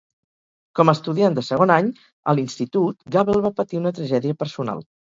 Com a estudiant de segon any a l'institut, Gable va patir una tragèdia personal.